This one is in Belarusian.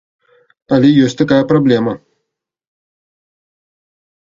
Але ёсць такая праблема.